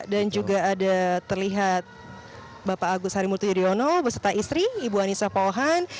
dan juga ada terlihat bapak agus harimurti yudhoyono beserta istri ibu anissa pohan